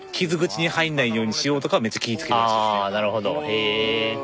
へえ！